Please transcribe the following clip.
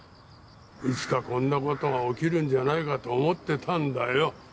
いつかこんなことが起きるんじゃないかと思ってたんだよ。